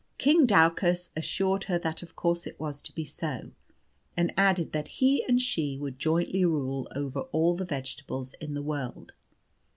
King Daucus assured her that of course it was to be so, and added that he and she would jointly rule over all the vegetables in the world.